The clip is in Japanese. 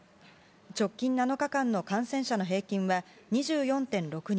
直近７日間の感染者の平均は２４．６人。